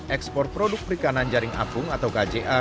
ekspor produk perikanan jaring apung atau kja